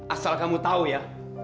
asal kamu tau ya